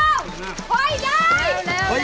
เชื่อพี่แอร์๕